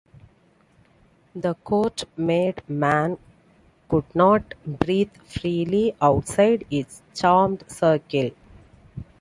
The court-made man could not breathe freely outside its charmed circle.